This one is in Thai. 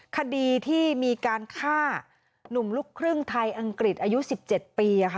คดีที่มีการฆ่าหนุ่มลูกครึ่งไทยอังกฤษอายุสิบเจ็ดปีอะค่ะ